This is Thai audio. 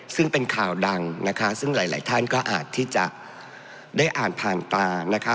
ซึ่งเป็นข่าวดังนะคะซึ่งหลายหลายท่านก็อาจที่จะได้อ่านผ่านตานะคะ